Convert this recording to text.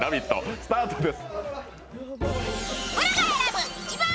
スタートです。